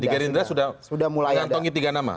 di gerindra sudah mengantongi tiga nama